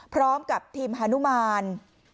พร้อมกับทีมฮานุมาน